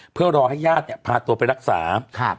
เพื่อรอให้ญาติเนี่ยพาตัวไปรักษา